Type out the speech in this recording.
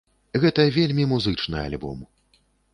Гэта вельмі музычны альбом.